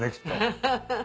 ハハハハ。